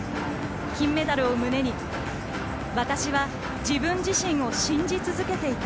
金メダルを胸に私は自分自身を信じ続けていた。